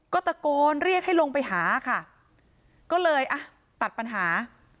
ก็ตะโกนเรียกให้ลงไปหาค่ะก็เลยอ่ะตัดปัญหา